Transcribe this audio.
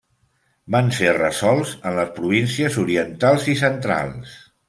Van ser resolts en les províncies orientals i centrals.